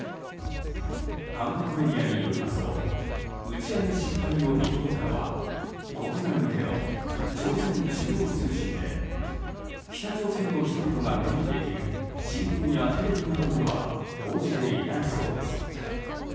韓国メディアによりますと打ち上げ失敗を認めたのは国外向けの朝鮮中央通信で北朝鮮の人々が目にできる新聞やテレビなどでは報じていないそうです。